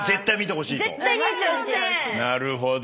「なるほど。